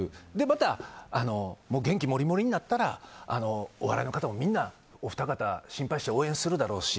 また、元気モリモリになったらお笑いの方もみんなお二方を心配して応援するだろうし。